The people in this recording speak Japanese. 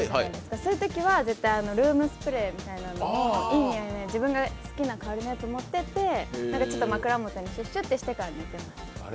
そういうときは絶対ルームスプレーみたいなのを、いい匂いの自分が好きな香りのやつ持ってって枕元にシュッシュッてしてから寝てます。